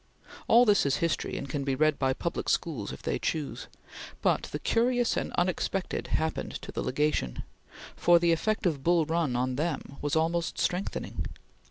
All this is history and can be read by public schools if they choose; but the curious and unexpected happened to the Legation, for the effect of Bull Run on them was almost strengthening.